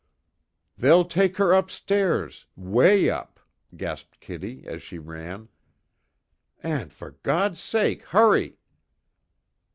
"They'll take her up stairs way up " gasped Kitty as she ran, "And for God's sake hurry!"